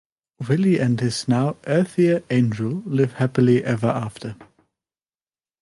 Willie and his now Earthier angel live happily ever after.